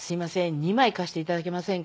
２枚貸して頂けませんか？」